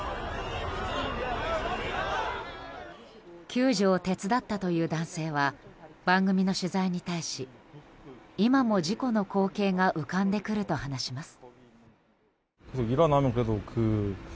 救助を手伝ったという男性は番組の取材に対し今も事故の光景が浮かんでくると話します。